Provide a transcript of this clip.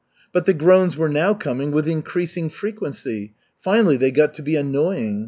But the groans were now coming with increasing frequency. Finally they got to be annoying.